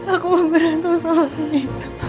aku berantem sama nino